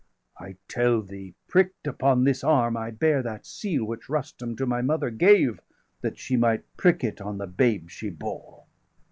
I tell thee, prick'd upon this arm° I bear °658 That seal which Rustum to my mother gave, That she might prick it on the babe she bore."